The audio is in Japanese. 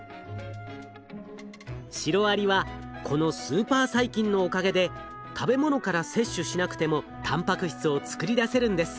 シロアリはこのスーパー細菌のおかげで食べ物から摂取しなくてもたんぱく質を作り出せるんです。